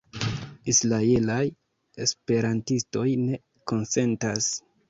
Israelaj esperantistoj ne konsentas.